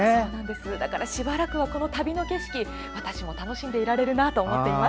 だから、しばらくは旅の景色を私は楽しんでいられるなと思っています。